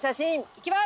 いきます！